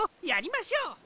やりましょう。